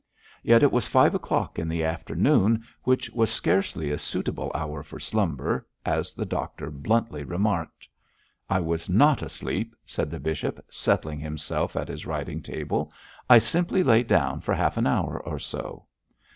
Yet it was five o'clock in the afternoon, which was scarcely a suitable hour for slumber, as the doctor bluntly remarked. 'I was not asleep,' said the bishop, settling himself at his writing table. 'I simply lay down for half an hour or so.'